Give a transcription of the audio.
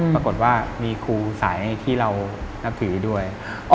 ปรากฏว่ามีครูสายที่เรานับถือด้วย